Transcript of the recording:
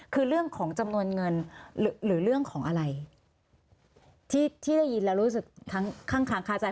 คือเรื่องของจำนวนเงินหรือเรื่องของอะไรที่ได้ยินแล้วรู้สึกข้างคาใจ